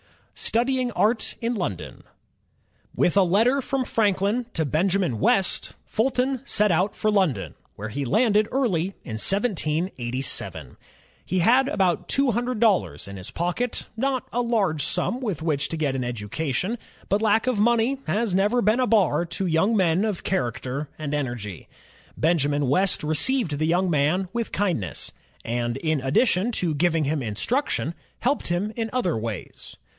Studying Art in London With a letter from Franklin to Benjamin West, Fulton set out for London, where he landed early in 1787. He had about two himdred dollars in his pocket, not a large simi with which to get an education; but lack of money has never been a bar to young men of character and energy. Benjamin West received the young man with kindness, and in addition to giving him instruction, helped him in other ways.